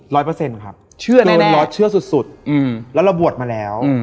ร้อยเปอร์เซ็นต์ครับเชื่อแน่เชื่อสุดแล้วเราบวชมาแล้ว